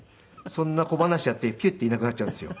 そんな小噺やってピュッていなくなっちゃうんですよ。